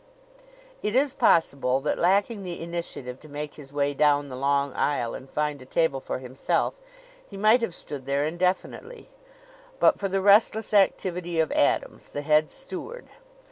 It is possible that, lacking the initiative to make his way down the long aisle and find a table for himself, he might have stood there indefinitely, but for the restless activity of Adams, the head steward.